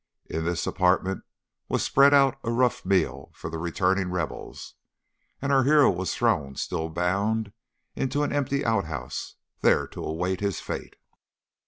In this apartment was spread out a rough meal for the returning rebels, and our hero was thrown, still bound, into an empty outhouse, there to await his fate."